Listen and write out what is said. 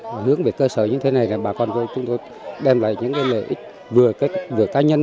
và hướng về cơ sở như thế này để bà con đem lại những lợi ích vừa cá nhân